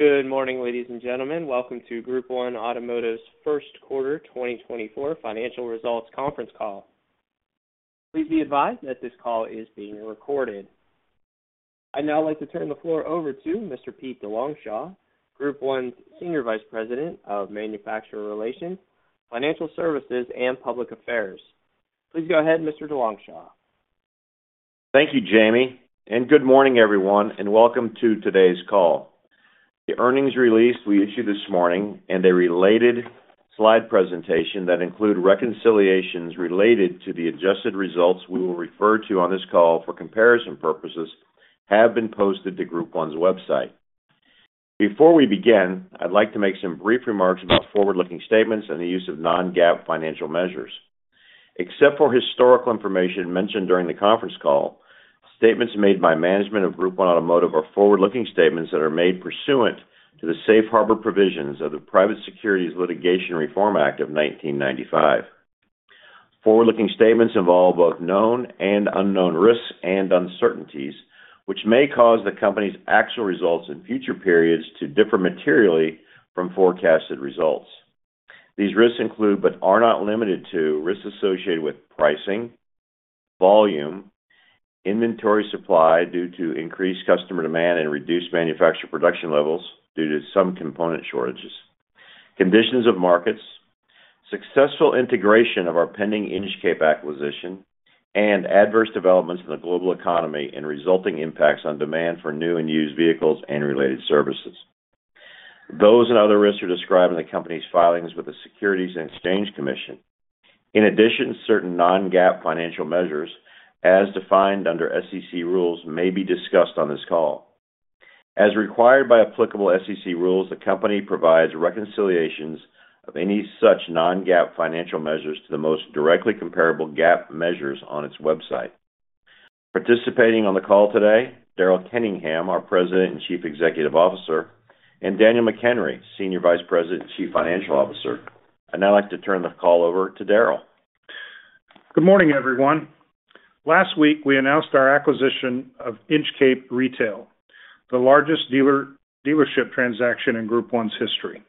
Good morning, ladies and gentlemen. Welcome to Group 1 Automotive's First Quarter 2024 Financial Results Conference Call. Please be advised that this call is being recorded. I now like to turn the floor over to Mr. Pete DeLongchamps, Group 1's Senior Vice President of Manufacturer Relations, Financial Services, and Public Affairs. Please go ahead, Mr. DeLongchamps. Thank you, Jamie. Good morning, everyone, and welcome to today's call. The earnings release we issued this morning and the related slide presentation that include reconciliations related to the adjusted results we will refer to on this call for comparison purposes have been posted to Group 1's website. Before we begin, I'd like to make some brief remarks about forward-looking statements and the use of non-GAAP financial measures. Except for historical information mentioned during the conference call, statements made by management of Group 1 Automotive are forward-looking statements that are made pursuant to the Safe Harbor provisions of the Private Securities Litigation Reform Act of 1995. Forward-looking statements involve both known and unknown risks and uncertainties, which may cause the company's actual results in future periods to differ materially from forecasted results. These risks include but are not limited to risks associated with pricing, volume, inventory supply due to increased customer demand and reduced manufacturer production levels due to some component shortages, conditions of markets, successful integration of our pending Inchcape acquisition, and adverse developments in the global economy and resulting impacts on demand for new and used vehicles and related services. Those and other risks are described in the company's filings with the Securities and Exchange Commission. In addition, certain non-GAAP financial measures, as defined under SEC rules, may be discussed on this call. As required by applicable SEC rules, the company provides reconciliations of any such non-GAAP financial measures to the most directly comparable GAAP measures on its website. Participating on the call today, Daryl Kenningham, our President and Chief Executive Officer, and Daniel McHenry, Senior Vice President and Chief Financial Officer.I now like to turn the call over to Daryl. Good morning, everyone. Last week, we announced our acquisition of Inchcape Retail, the largest dealership transaction in Group 1's history.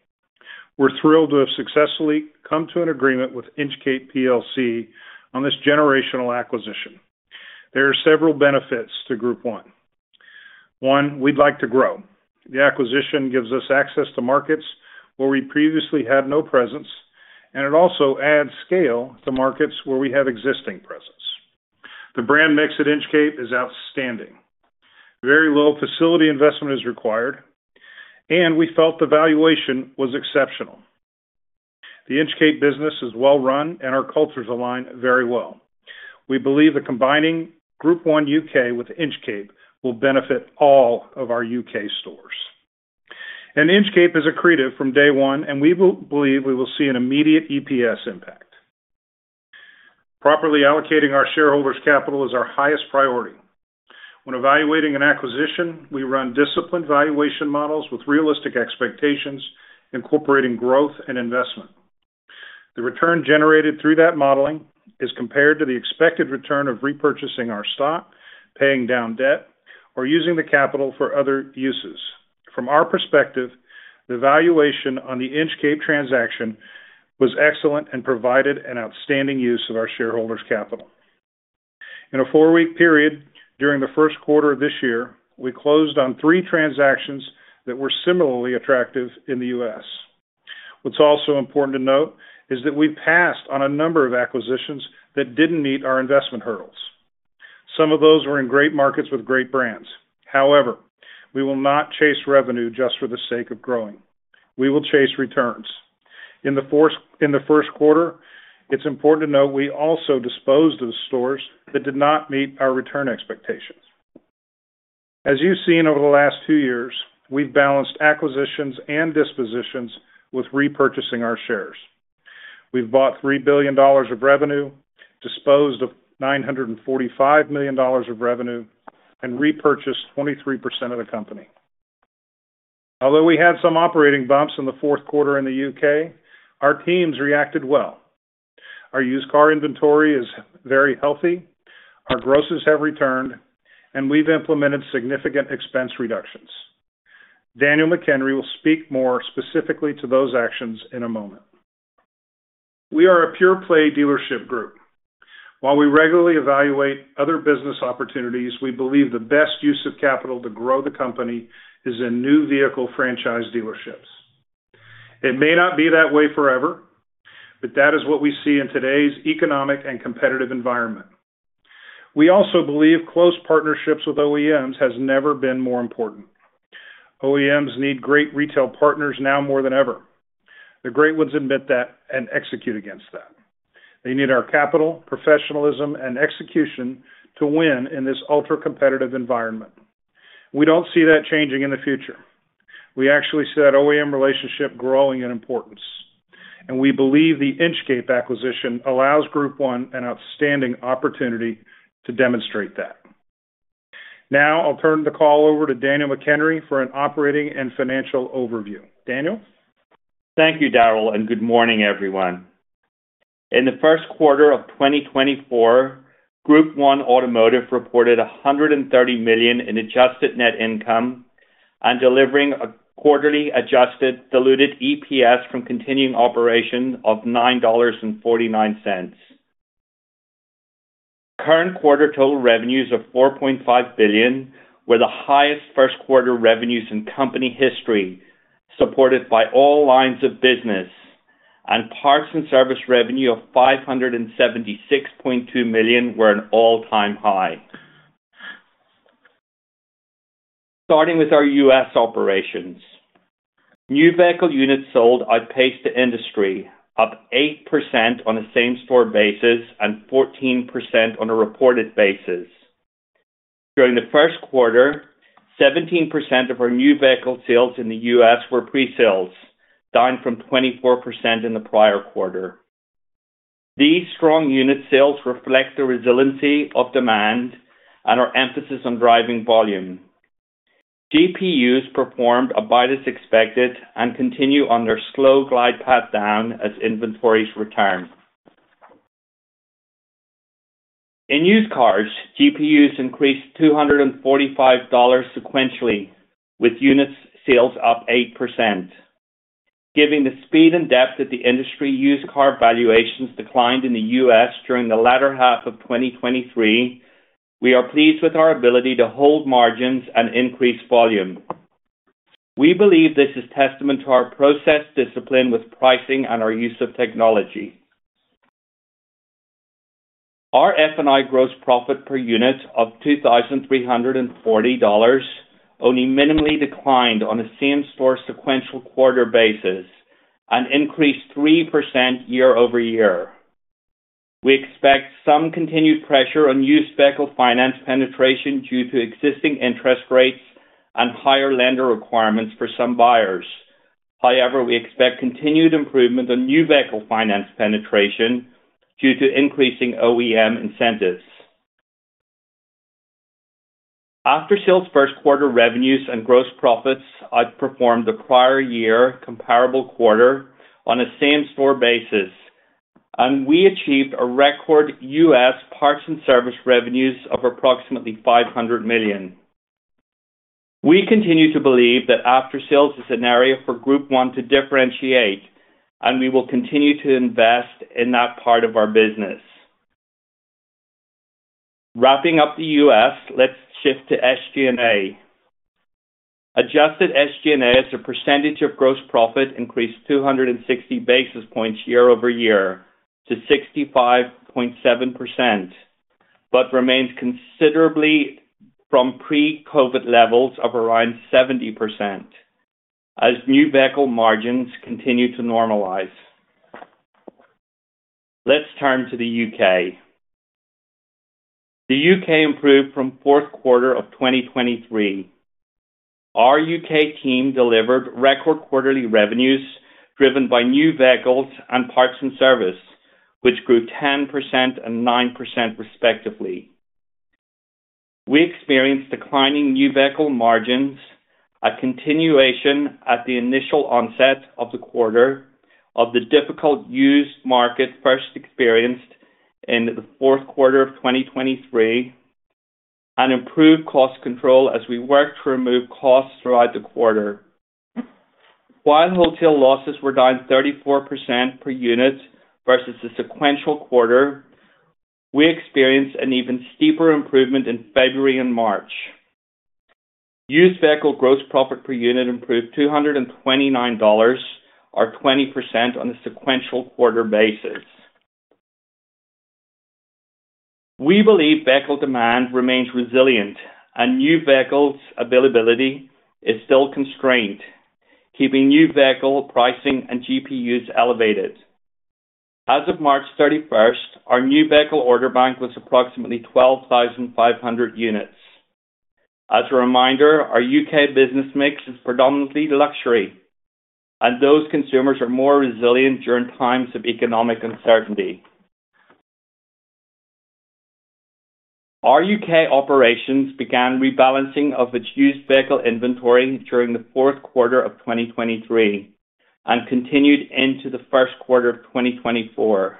We're thrilled to have successfully come to an agreement with Inchcape PLC on this generational acquisition. There are several benefits to Group 1. One, we'd like to grow. The acquisition gives us access to markets where we previously had no presence, and it also adds scale to markets where we have existing presence. The brand mix at Inchcape is outstanding. Very low facility investment is required, and we felt the valuation was exceptional. The Inchcape business is well run, and our cultures align very well. We believe that combining Group 1 UK with Inchcape will benefit all of our UK stores. Inchcape is accretive from day one, and we believe we will see an immediate EPS impact. Properly allocating our shareholders' capital is our highest priority. When evaluating an acquisition, we run disciplined valuation models with realistic expectations, incorporating growth and investment. The return generated through that modeling is compared to the expected return of repurchasing our stock, paying down debt, or using the capital for other uses. From our perspective, the valuation on the Inchcape transaction was excellent and provided an outstanding use of our shareholders' capital. In a four-week period during the first quarter of this year, we closed on three transactions that were similarly attractive in the U.S. What's also important to note is that we passed on a number of acquisitions that didn't meet our investment hurdles. Some of those were in great markets with great brands. However, we will not chase revenue just for the sake of growing. We will chase returns. In the first quarter, it's important to note we also disposed of stores that did not meet our return expectations. As you've seen over the last two years, we've balanced acquisitions and dispositions with repurchasing our shares. We've bought $3 billion of revenue, disposed of $945 million of revenue, and repurchased 23% of the company. Although we had some operating bumps in the fourth quarter in the U.K., our teams reacted well. Our used car inventory is very healthy. Our grosses have returned, and we've implemented significant expense reductions. Daniel McHenry will speak more specifically to those actions in a moment. We are a pure-play dealership group. While we regularly evaluate other business opportunities, we believe the best use of capital to grow the company is in new vehicle franchise dealerships. It may not be that way forever, but that is what we see in today's economic and competitive environment. We also believe close partnerships with OEMs have never been more important. OEMs need great retail partners now more than ever. The great ones admit that and execute against that. They need our capital, professionalism, and execution to win in this ultra-competitive environment. We don't see that changing in the future. We actually see that OEM relationship growing in importance. We believe the Inchcape acquisition allows Group 1 an outstanding opportunity to demonstrate that. Now I'll turn the call over to Daniel McHenry for an operating and financial overview. Daniel? Thank you, Daryl, and good morning, everyone. In the first quarter of 2024, Group 1 Automotive reported $130 million in adjusted net income on delivering a quarterly adjusted diluted EPS from continuing operations of $9.49. Current quarter total revenues of $4.5 billion were the highest first-quarter revenues in company history, supported by all lines of business. Parts and service revenue of $576.2 million were an all-time high. Starting with our U.S. operations, new vehicle units sold outpaced the industry, up 8% on a same-store basis and 14% on a reported basis. During the first quarter, 17% of our new vehicle sales in the U.S. were pre-sales, down from 24% in the prior quarter. These strong unit sales reflect the resiliency of demand and our emphasis on driving volume. GPUs performed above as expected and continue on their slow glide path down as inventories return.In used cars, GPUs increased $245 sequentially, with unit sales up 8%. Given the speed and depth that the industry used car valuations declined in the U.S. during the latter half of 2023, we are pleased with our ability to hold margins and increase volume. We believe this is testament to our process discipline with pricing and our use of technology. Our F&I gross profit per unit of $2,340 only minimally declined on a same-store sequential quarter basis and increased 3% year-over-year. We expect some continued pressure on used vehicle finance penetration due to existing interest rates and higher lender requirements for some buyers. However, we expect continued improvement on new vehicle finance penetration due to increasing OEM incentives. Aftersales first quarter revenues and gross profits, outperformed the prior year comparable quarter on a same-store basis, and we achieved a record US parts and service revenues of approximately $500 million. We continue to believe that aftersales is an area for Group 1 to differentiate, and we will continue to invest in that part of our business. Wrapping up the U.S., let's shift to SG&A. Adjusted SG&A as a percentage of gross profit increased 260 basis points year-over-year to 65.7% but remains considerably from pre-COVID levels of around 70% as new vehicle margins continue to normalize. Let's turn to the U.K. The U.K. improved from fourth quarter of 2023. Our UK team delivered record quarterly revenues driven by new vehicles and parts and service, which grew 10% and 9% respectively. We experienced declining new vehicle margins, a continuation at the initial onset of the quarter of the difficult used market first experienced in the fourth quarter of 2023, and improved cost control as we worked to remove costs throughout the quarter. While wholesale losses were down 34% per unit versus the sequential quarter, we experienced an even steeper improvement in February and March. Used vehicle gross profit per unit improved $229, or 20% on a sequential quarter basis. We believe vehicle demand remains resilient, and new vehicles' availability is still constrained, keeping new vehicle pricing and GPUs elevated. As of March 31st, our new vehicle order bank was approximately 12,500 units. As a reminder, our UK business mix is predominantly luxury, and those consumers are more resilient during times of economic uncertainty. Our UK operations began rebalancing of its used vehicle inventory during the fourth quarter of 2023 and continued into the first quarter of 2024.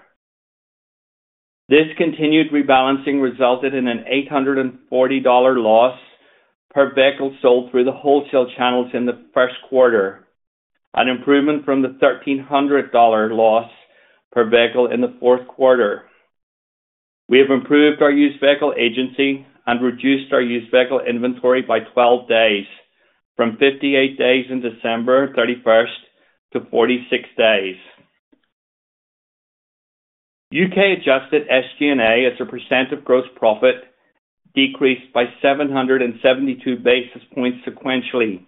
This continued rebalancing resulted in an $840 loss per vehicle sold through the wholesale channels in the first quarter, an improvement from the $1,300 loss per vehicle in the fourth quarter. We have improved our used vehicle agency and reduced our used vehicle inventory by 12 days, from 58 days on December 31st to 46 days. UK adjusted SG&A as a percent of gross profit decreased by 772 basis points sequentially,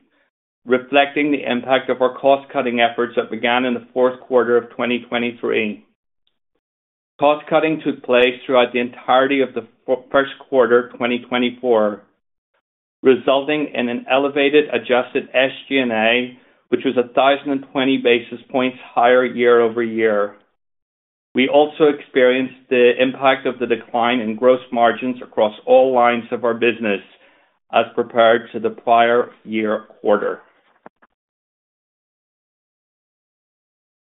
reflecting the impact of our cost-cutting efforts that began in the fourth quarter of 2023. Cost-cutting took place throughout the entirety of the first quarter of 2024, resulting in an elevated adjusted SG&A, which was 1,020 basis points higher year-over-year. We also experienced the impact of the decline in gross margins across all lines of our business as compared to the prior year quarter.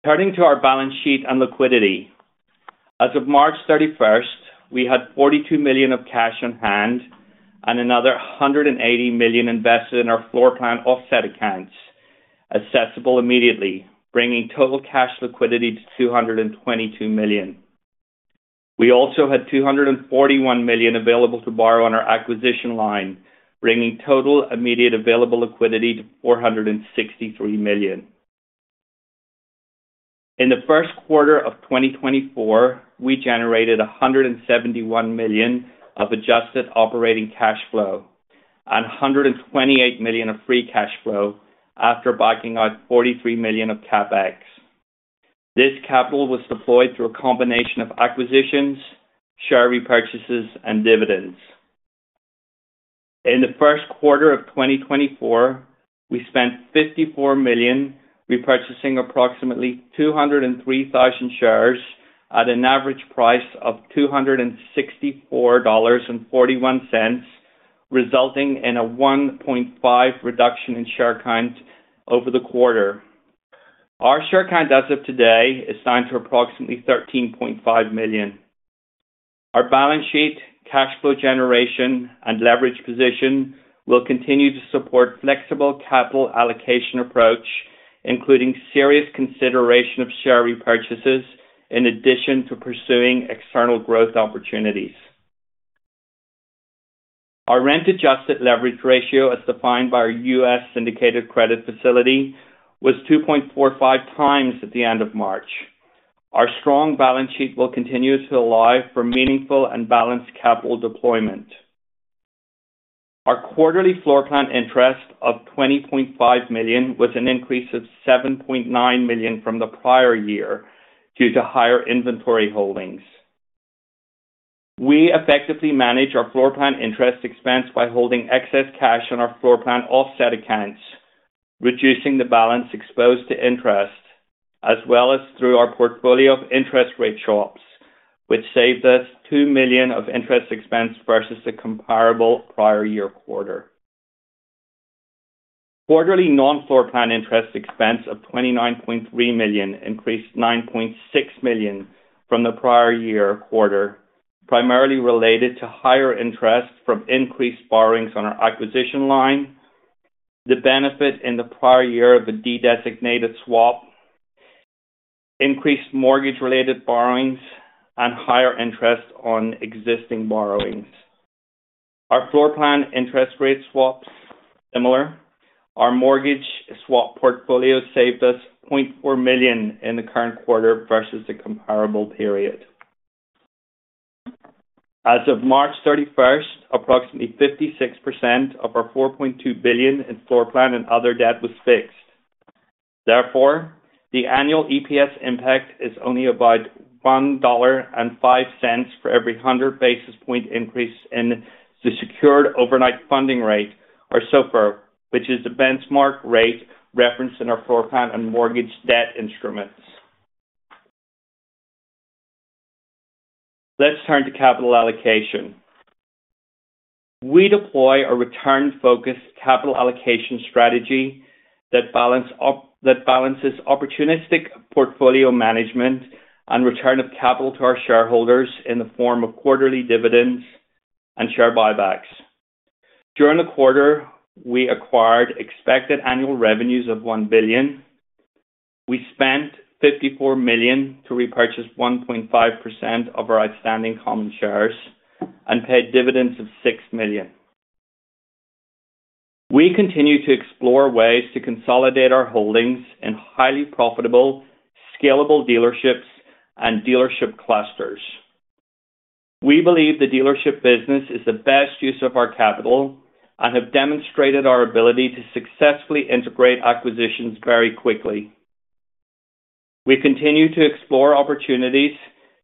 Turning to our balance sheet and liquidity. As of March 31st, we had $42 million of cash on hand and another $180 million invested in our floor plan offset accounts accessible immediately, bringing total cash liquidity to $222 million. We also had $241 million available to borrow on our acquisition line, bringing total immediate available liquidity to $463 million. In the first quarter of 2024, we generated $171 million of adjusted operating cash flow and $128 million of free cash flow after taking out $43 million of capex. This capital was deployed through a combination of acquisitions, share repurchases, and dividends.In the first quarter of 2024, we spent $54 million repurchasing approximately 203,000 shares at an average price of $264.41, resulting in a 1.5 reduction in share count over the quarter. Our share count as of today is down to approximately 13.5 million. Our balance sheet, cash flow generation, and leverage position will continue to support a flexible capital allocation approach, including serious consideration of share repurchases in addition to pursuing external growth opportunities. Our rent-adjusted leverage ratio, as defined by our US syndicated credit facility, was 2.45x at the end of March. Our strong balance sheet will continue to allow for meaningful and balanced capital deployment. Our quarterly floor plan interest of $20.5 million was an increase of $7.9 million from the prior year due to higher inventory holdings. We effectively manage our floor plan interest expense by holding excess cash on our floor plan offset accounts, reducing the balance exposed to interest, as well as through our portfolio of interest rate swaps, which saved us $2 million of interest expense versus the comparable prior year quarter. Quarterly non-floor plan interest expense of $29.3 million increased $9.6 million from the prior year quarter, primarily related to higher interest from increased borrowings on our acquisition line, the benefit in the prior year of a de-designated swap, increased mortgage-related borrowings, and higher interest on existing borrowings. Our floor plan interest rate swaps are similar. Our mortgage swap portfolio saved us $0.4 million in the current quarter versus the comparable period. As of March 31st, approximately 56% of our $4.2 billion in floor plan and other debt was fixed. Therefore, the annual EPS impact is only about $1.05 for every 100 basis point increase in the Secured Overnight Financing Rate or SOFR, which is the benchmark rate referenced in our floor plan and mortgage debt instruments. Let's turn to capital allocation. We deploy a return-focused capital allocation strategy that balances opportunistic portfolio management and return of capital to our shareholders in the form of quarterly dividends and share buybacks. During the quarter, we acquired expected annual revenues of $1 billion. We spent $54 million to repurchase 1.5% of our outstanding common shares and paid dividends of $6 million. We continue to explore ways to consolidate our holdings in highly profitable, scalable dealerships and dealership clusters. We believe the dealership business is the best use of our capital and have demonstrated our ability to successfully integrate acquisitions very quickly. We continue to explore opportunities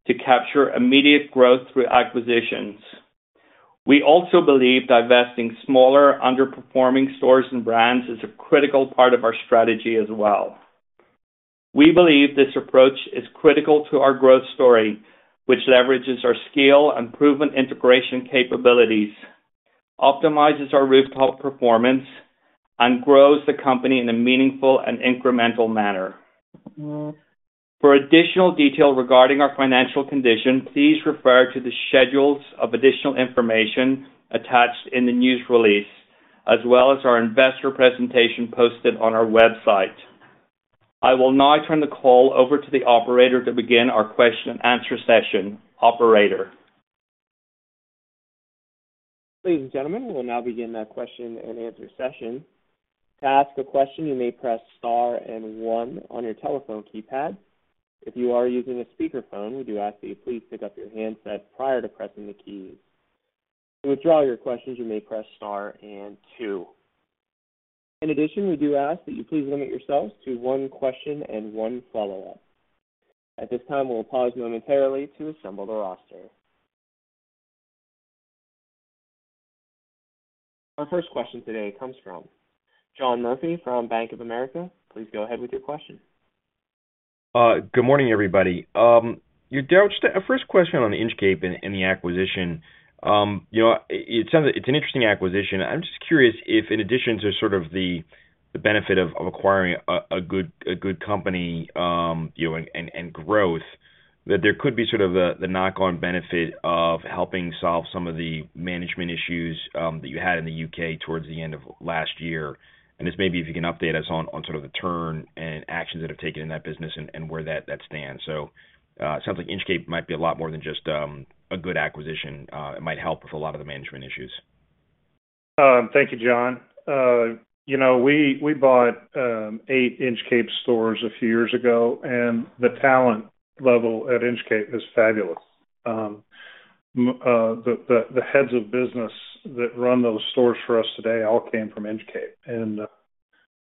to capture immediate growth through acquisitions. We also believe divesting smaller, underperforming stores and brands is a critical part of our strategy as well. We believe this approach is critical to our growth story, which leverages our skill and proven integration capabilities, optimizes our rooftop performance, and grows the company in a meaningful and incremental manner. For additional detail regarding our financial condition, please refer to the schedules of additional information attached in the news release, as well as our investor presentation posted on our website.I will now turn the call over to the operator to begin our question-and-answer session. Operator. Ladies and gentlemen, we will now begin that question-and-answer session. To ask a question, you may press star and one on your telephone keypad. If you are using a speakerphone, we do ask that you please pick up your handset prior to pressing the keys. To withdraw your questions, you may press star and two. In addition, we do ask that you please limit yourselves to one question and one follow-up. At this time, we'll pause momentarily to assemble the roster. Our first question today comes from John Murphy from Bank of America. Please go ahead with your question. Good morning, everybody. Daryl, just a first question on the Inchcape and the acquisition. It sounds like it's an interesting acquisition. I'm just curious if, in addition to sort of the benefit of acquiring a good company and growth, that there could be sort of the knock-on benefit of helping solve some of the management issues that you had in the U.K. towards the end of last year. And this may be if you can update us on sort of the turnaround and actions that have been taken in that business and where that stands. So it sounds like Inchcape might be a lot more than just a good acquisition. It might help with a lot of the management issues. Thank you, John. We bought eight Inchcape stores a few years ago, and the talent level at Inchcape is fabulous. The heads of business that run those stores for us today all came from Inchcape. And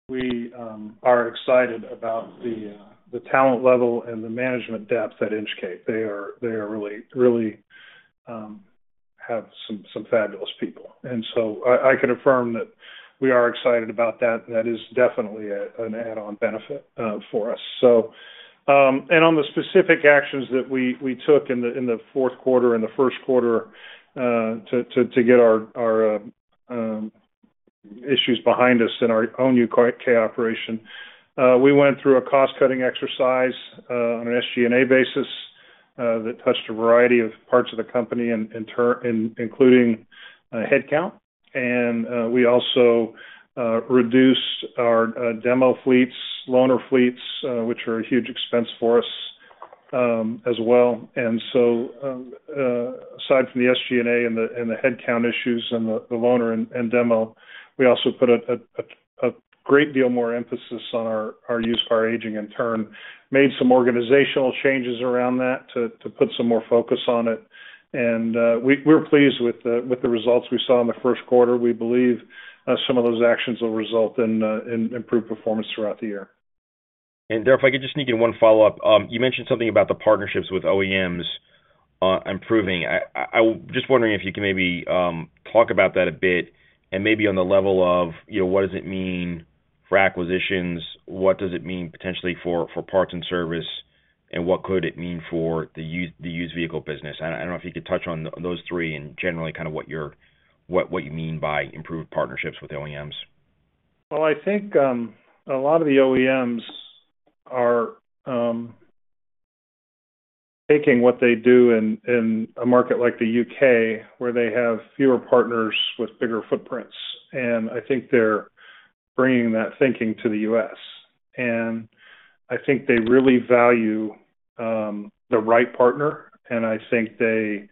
we are excited about the talent level and the management depth at Inchcape. They really have some fabulous people. And so I can affirm that we are excited about that. That is definitely an add-on benefit for us. On the specific actions that we took in the fourth quarter and the first quarter to get our issues behind us in our own UK operation, we went through a cost-cutting exercise on an SG&A basis that touched a variety of parts of the company, including headcount. We also reduced our demo fleets, loaner fleets, which are a huge expense for us as well. So, aside from the SG&A and the headcount issues and the loaner and demo, we also put a great deal more emphasis on our used car aging, in turn, made some organizational changes around that to put some more focus on it. We're pleased with the results we saw in the first quarter. We believe some of those actions will result in improved performance throughout the year. And Daryl, if I could just sneak in one follow-up. You mentioned something about the partnerships with OEMs improving. I'm just wondering if you can maybe talk about that a bit and maybe on the level of what does it mean for acquisitions? What does it mean potentially for parts and service? And what could it mean for the used vehicle business? I don't know if you could touch on those three and generally kind of what you mean by improved partnerships with OEMs. Well, I think a lot of the OEMs are taking what they do in a market like the U.K., where they have fewer partners with bigger footprints. And I think they're bringing that thinking to the U.S. And I think they really value the right partner. And I think they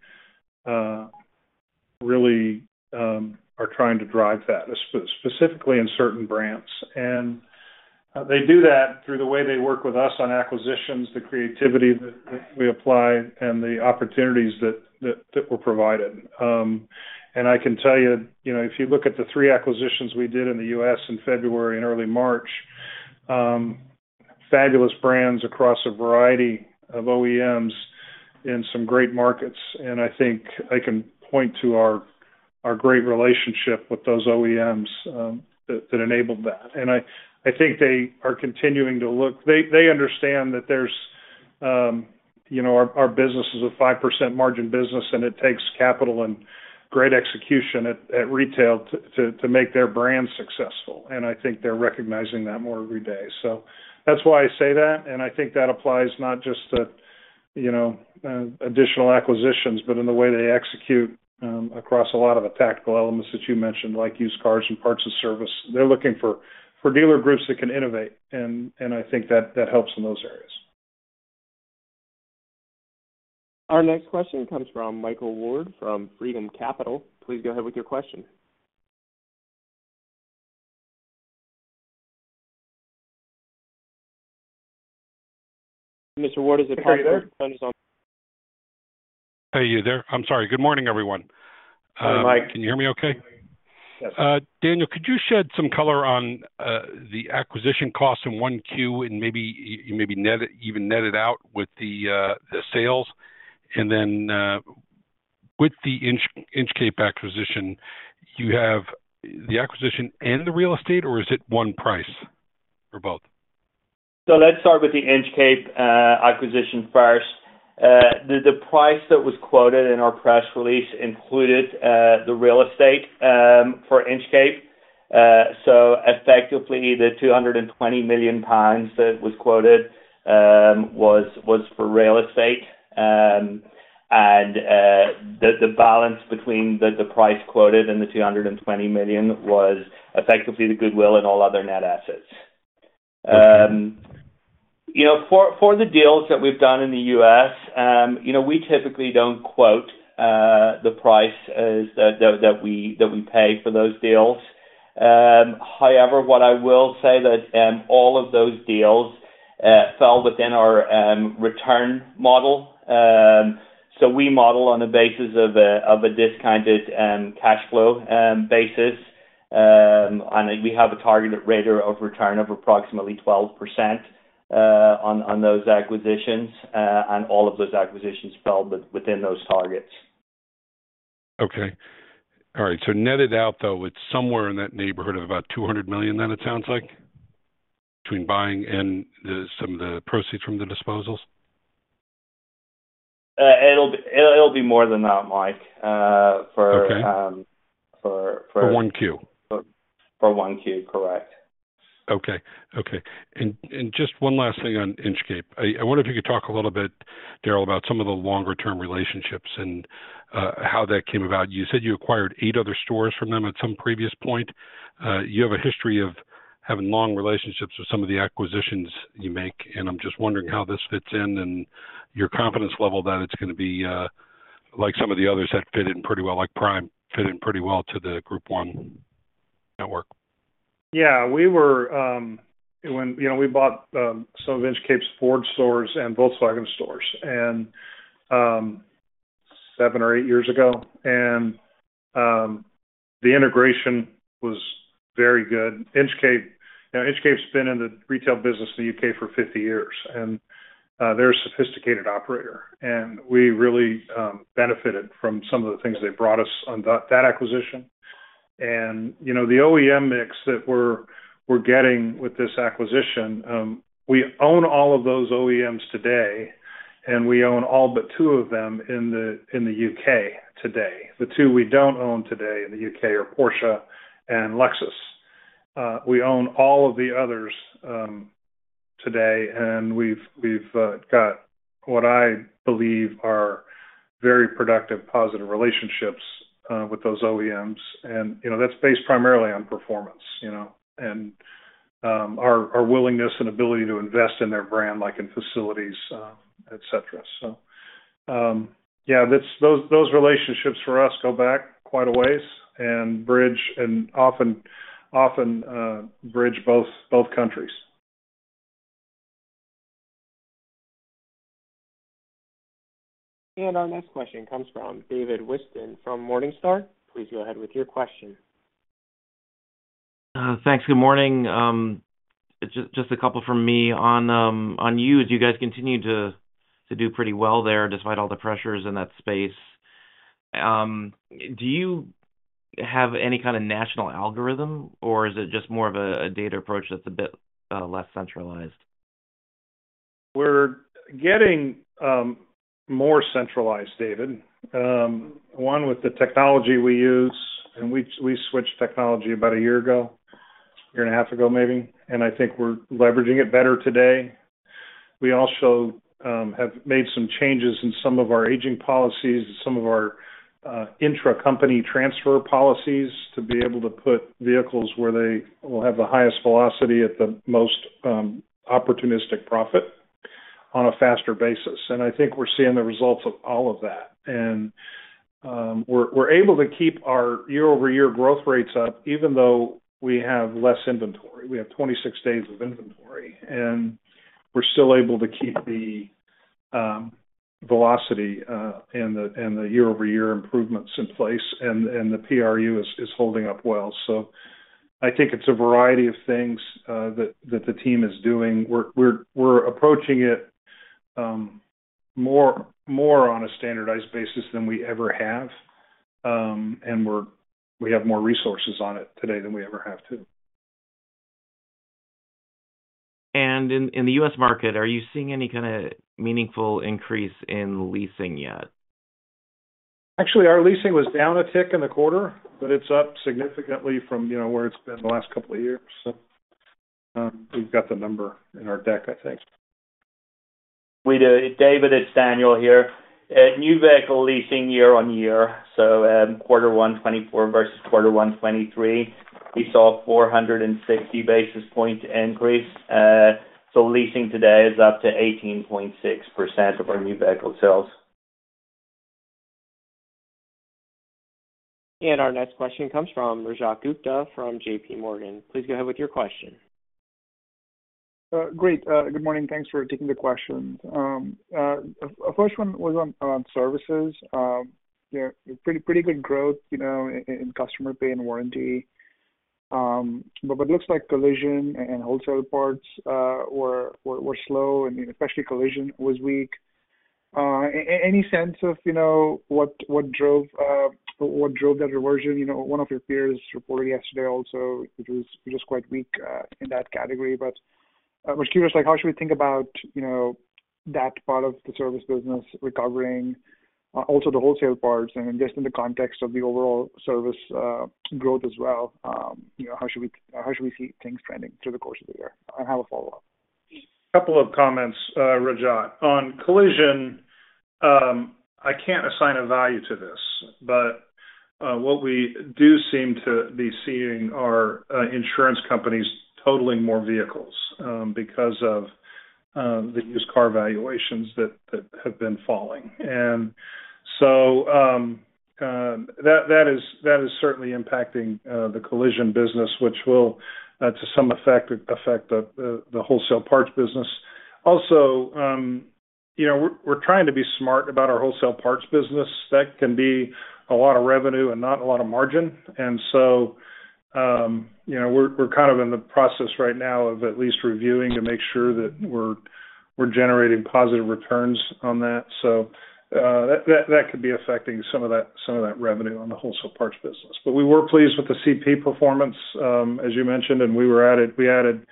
really are trying to drive that, specifically in certain brands. They do that through the way they work with us on acquisitions, the creativity that we apply, and the opportunities that were provided. I can tell you, if you look at the three acquisitions we did in the U.S. in February and early March, fabulous brands across a variety of OEMs in some great markets. I think I can point to our great relationship with those OEMs that enabled that. I think they are continuing to look; they understand that our business is a 5% margin business, and it takes capital and great execution at retail to make their brand successful. I think they're recognizing that more every day. So that's why I say that. I think that applies not just to additional acquisitions, but in the way they execute across a lot of the tactical elements that you mentioned, like used cars and parts and service. They're looking for dealer groups that can innovate. And I think that helps in those areas. Our next question comes from Michael Ward from Freedom Capital. Please go ahead with your question. Mr. Ward, is it possible to turn this on? Hey, are you there? I'm sorry. Good morning, everyone. Hey, Mike. Can you hear me okay? Yes. Daniel, could you shed some color on the acquisition costs in 1Q and maybe even net it out with the sales? And then, with the Inchcape acquisition, you have the acquisition and the real estate, or is it one price or both? So let's start with the Inchcape acquisition first. The price that was quoted in our press release included the real estate for Inchcape. So, effectively, the 220 million pounds that was quoted was for real estate. And the balance between the price quoted and the 220 million was, effectively, the goodwill and all other net assets. For the deals that we've done in the U.S., we typically don't quote the price that we pay for those deals. However, what I will say is that all of those deals fell within our return model. So we model on a basis of a discounted cash flow basis. And we have a target rate of return of approximately 12% on those acquisitions. And all of those acquisitions fell within those targets. Okay. All right. So netted out, though, it's somewhere in that neighborhood of about $200 million then, it sounds like, between buying and some of the proceeds from the disposals? It'll be more than that, Mike, for Q1? For Q1, correct. Okay. Okay. And just one last thing on Inchcape. I wonder if you could talk a little bit, Daryl, about some of the longer-term relationships and how that came about. You said you acquired eight other stores from them at some previous point. You have a history of having long relationships with some of the acquisitions you make. And I'm just wondering how this fits in and your confidence level that it's going to be like some of the others that fit in pretty well, like Prime fit in pretty well to the Group 1 network. Yeah. We bought some of Inchcape's Ford stores and Volkswagen stores seven or eight years ago. And the integration was very good. Inchcape's been in the retail business in the U.K. for 50 years. And they're a sophisticated operator. And we really benefited from some of the things they brought us on that acquisition. And the OEM mix that we're getting with this acquisition, we own all of those OEMs today. And we own all but two of them in the U.K. today. The two we don't own today in the U.K. are Porsche and Lexus. We own all of the others today. And we've got what I believe are very productive, positive relationships with those OEMs. And that's based primarily on performance and our willingness and ability to invest in their brand, like in facilities, etc. So yeah, those relationships, for us, go back quite a ways and often bridge both countries. And our next question comes from David Whiston from Morningstar. Please go ahead with your question. Thanks. Good morning. Just a couple from me on you. You guys continue to do pretty well there despite all the pressures in that space. Do you have any kind of national algorithm, or is it just more of a data approach that's a bit less centralized? We're getting more centralized, David, one, with the technology we use. And we switched technology about a year ago, a year and a half ago, maybe. And I think we're leveraging it better today. We also have made some changes in some of our aging policies, some of our intra-company transfer policies to be able to put vehicles where they will have the highest velocity at the most opportunistic profit on a faster basis. And I think we're seeing the results of all of that. And we're able to keep our year-over-year growth rates up even though we have less inventory. We have 26 days of inventory. And we're still able to keep the velocity and the year-over-year improvements in place. And the PRU is holding up well. So I think it's a variety of things that the team is doing. We're approaching it more on a standardized basis than we ever have. And we have more resources on it today than we ever have to. And in the US market, are you seeing any kind of meaningful increase in leasing yet? Actually, our leasing was down a tick in the quarter, but it's up significantly from where it's been the last couple of years. So we've got the number in our deck, I think. David, it's Daniel here. New vehicle leasing year-over-year, so quarter 1 2024 versus quarter 1 2023, we saw a 460 basis point increase. So leasing today is up to 18.6% of our new vehicle sales. Our next question comes from Rajat Gupta from JPMorgan. Please go ahead with your question. Great. Good morning. Thanks for taking the questions. The first one was on services. Pretty good growth in customer pay and warranty. But it looks like collision and wholesale parts were slow, and especially collision was weak. Any sense of what drove that reversion? One of your peers reported yesterday also it was quite weak in that category. But I was curious, how should we think about that part of the service business recovering, also the wholesale parts, and just in the context of the overall service growth as well? How should we see things trending through the course of the year? I have a follow-up. Couple of comments, Rajat. On collision, I can't assign a value to this. But what we do seem to be seeing are insurance companies totaling more vehicles because of the used car valuations that have been falling. And so that is certainly impacting the collision business, which will, to some effect, affect the wholesale parts business. Also, we're trying to be smart about our wholesale parts business. That can be a lot of revenue and not a lot of margin. And so we're kind of in the process right now of at least reviewing to make sure that we're generating positive returns on that. So that could be affecting some of that revenue on the wholesale parts business. But we were pleased with the CP performance, as you mentioned. And we added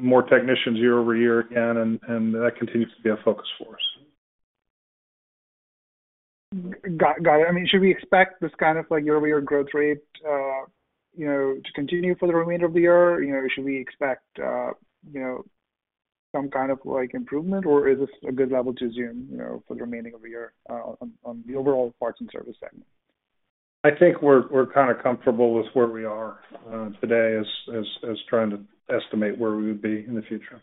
more technicians year-over-year again. And that continues to be a focus for us. Got it.I mean, should we expect this kind of year-over-year growth rate to continue for the remainder of the year? Should we expect some kind of improvement, or is this a good level to zoom for the remaining of the year on the overall parts and service segment? I think we're kind of comfortable with where we are today as trying to estimate where we would be in the future.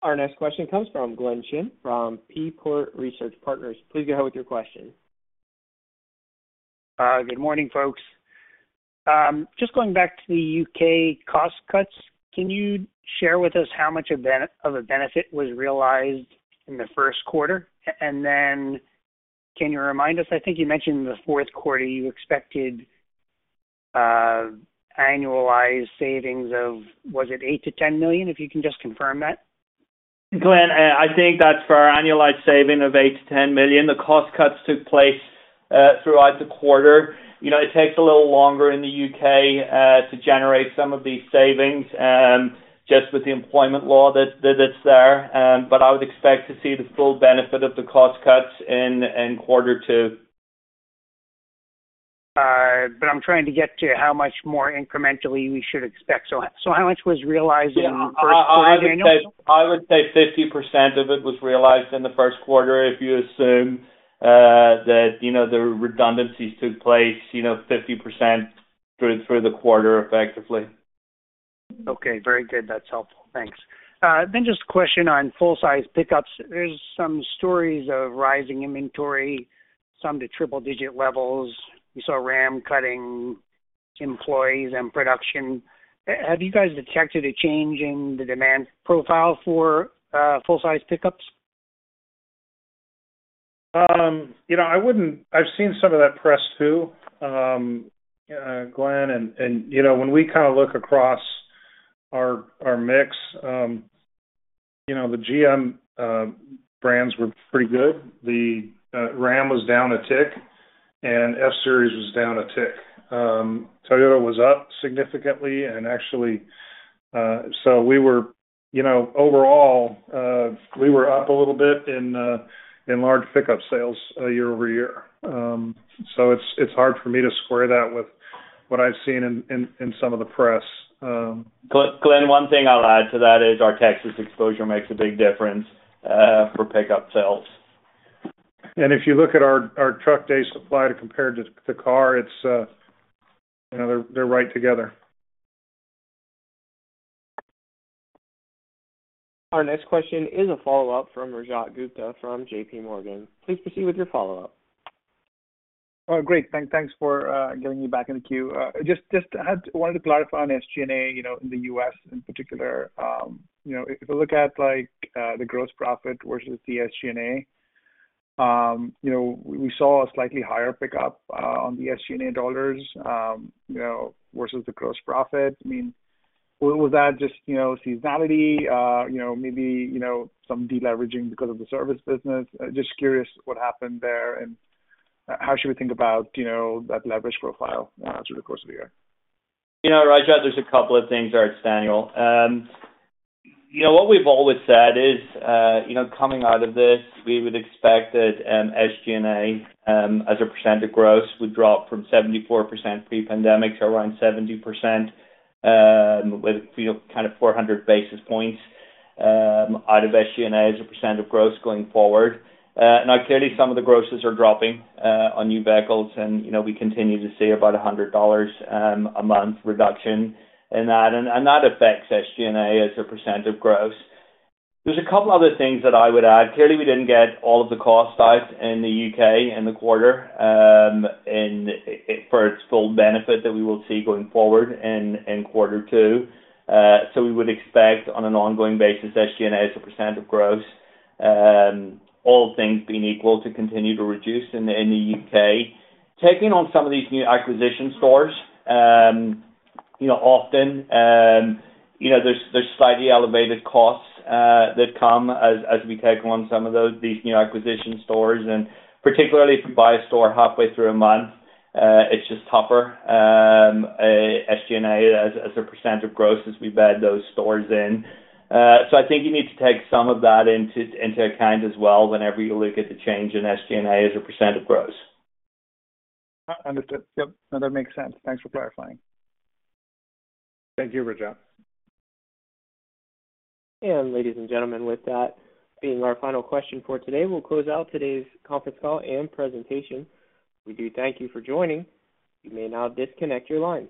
Our next question comes from Glenn Chin from Seaport Research Partners. Please go ahead with your question. Good morning, folks. Just going back to the UK cost cuts, can you share with us how much of a benefit was realized in the first quarter? And then can you remind us? I think you mentioned in the fourth quarter, you expected annualized savings of, was it $8 million-$10 million, if you can just confirm that? Glenn, I think that's for our annualized saving of $8 million-$10 million. The cost cuts took place throughout the quarter. It takes a little longer in the U.K. to generate some of these savings just with the employment law that's there. But I would expect to see the full benefit of the cost cuts in quarter two. But I'm trying to get to how much more incrementally we should expect. So how much was realized in the first quarter annually? I would say 50% of it was realized in the first quarter if you assume that the redundancies took place 50% through the quarter, effectively. Okay. Very good. That's helpful. Thanks. Then just a question on full-size pickups. There's some stories of rising inventory, some to triple-digit levels. We saw RAM cutting employees and production. Have you guys detected a change in the demand profile for full-size pickups? I've seen some of that press too, Glenn. And when we kind of look across our mix, the GM brands were pretty good. The RAM was down a tick, and F-Series was down a tick. Toyota was up significantly. And actually, so overall, we were up a little bit in large pickup sales year-over-year. So it's hard for me to square that with what I've seen in some of the press. Glenn, one thing I'll add to that is our Texas exposure makes a big difference for pickup sales. And if you look at our truck-day supply to compare to the car, they're right together. Our next question is a follow-up from Rajat Gupta from JPMorgan. Please proceed with your follow-up. Great. Thanks for getting me back in the queue. Just wanted to clarify on SG&A in the U.S. in particular. If we look at the gross profit versus the SG&A, we saw a slightly higher pickup on the SG&A dollars versus the gross profit. I mean, was that just seasonality, maybe some deleveraging because of the service business? Just curious what happened there and how should we think about that leverage profile through the course of the year? Rajat, there's a couple of things, all right, Daniel. What we've always said is coming out of this, we would expect that SG&A, as a percent of gross, would drop from 74% pre-pandemic to around 70% with kind of 400 basis points out of SG&A as a percent of gross going forward. Now, clearly, some of the grosses are dropping on new vehicles. And we continue to see about $100 a month reduction in that. And that affects SG&A as a percent of gross. There's a couple of other things that I would add. Clearly, we didn't get all of the costs out in the U.K. in the quarter for its full benefit that we will see going forward in quarter two. So we would expect, on an ongoing basis, SG&A as a percent of gross, all things being equal to continue to reduce in the U.K. Taking on some of these new acquisition stores, often, there's slightly elevated costs that come as we take on some of these new acquisition stores. And particularly, if you buy a store halfway through a month, it's just tougher, SG&A, as a percent of gross as we bed those stores in. So I think you need to take some of that into account as well whenever you look at the change in SG&A as a percent of gross. Understood. Yep. No, that makes sense. Thanks for clarifying. Thank you, Rajat. Ladies and gentlemen, with that being our final question for today, we'll close out today's conference call and presentation. We do thank you for joining. You may now disconnect your lines.